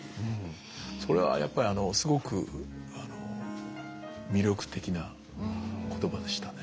それはやっぱりすごく魅力的な言葉でしたね。